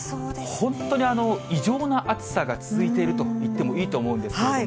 本当に異常な暑さが続いていると言ってもいいと思うんですけれども。